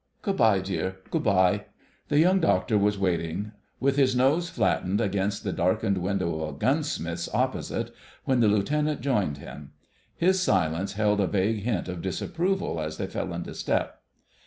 Good bye, dear; good bye...!" The Young Doctor was waiting with his nose flattened against the darkened window of a gunsmith's opposite when the Lieutenant joined him. His silence held a vague hint of disapproval as they fell into step.